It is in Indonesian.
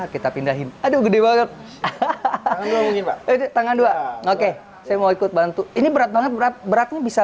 kita pindahin aduh gede banget tangan dua oke saya mau ikut bantu ini berat banget beratnya bisa